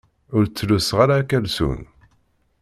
Ur ttluseɣ ara akalsun.